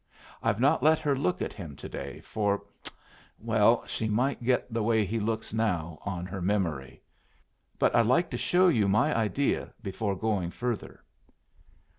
I've not let her look at him to day, for well, she might get the way he looks now on her memory. But I'd like to show you my idea before going further."